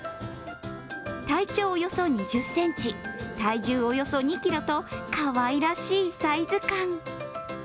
体長およそ２０ｃｍ体重およそ２ｋｇとかわいらしいサイズ感。